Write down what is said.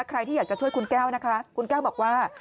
ใครที่อยากจะช่วยคุณแก้วนะคะคุณแก้วบอกว่า